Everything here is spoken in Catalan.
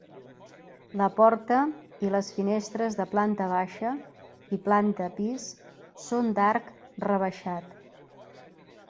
La porta i les finestres de planta baixa i planta pis són d'arc rebaixat.